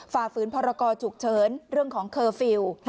ฝ่าฝืนพรกรฉุกเฉินเรื่องของเคอร์ฟิลล์